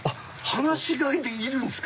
放し飼いでいるんすか？